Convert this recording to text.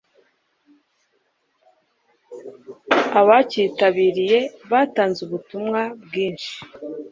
Abacyitabiriye batanze ubutumwa bwinshi